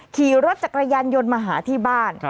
ขี่รถจักรยานยนต์มาหาที่บ้าน